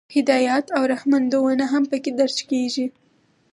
هدایات او رهنمودونه هم پکې درج کیږي.